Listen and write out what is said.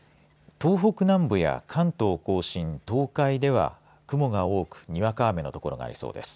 東北南部や関東甲信東海では雲が多くにわか雨の所がありそうです。